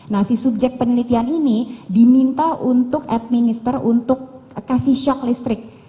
nah si subjek penelitian ini diminta untuk administer untuk kasih shock listrik